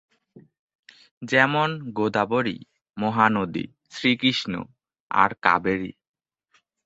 যেমন গোদাবরী, মহানদী, শ্রীকৃষ্ণ, আর কাবেরী।